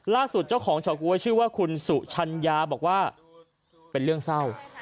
เจ้าของเฉาก๊วยชื่อว่าคุณสุชัญญาบอกว่าเป็นเรื่องเศร้า